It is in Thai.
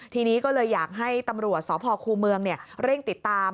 ทีนี้ก็เลยอยากให้ตำรวจสพคูเมืองเร่งติดตาม